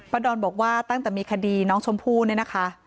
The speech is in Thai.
ดอนบอกว่าตั้งแต่มีคดีน้องชมพู่เนี่ยนะคะ